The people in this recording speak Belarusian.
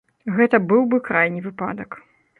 Гэта быў бы крайні выпадак.